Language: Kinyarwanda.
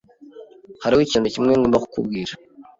Hariho ikintu kimwe ngomba kukubwira.